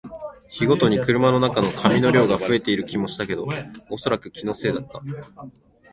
日ごとに車の中の紙の量が増えている気もしたけど、おそらく気のせいだった